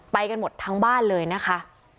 ไปกันหมดทั้งบ้านเลยนะคะ